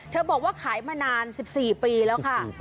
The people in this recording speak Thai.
บอกว่าขายมานาน๑๔ปีแล้วค่ะ